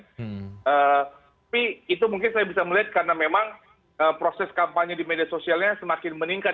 tapi itu mungkin saya bisa melihat karena memang proses kampanye di media sosialnya semakin meningkat